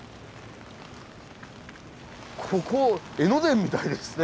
ここ江ノ電みたいですね。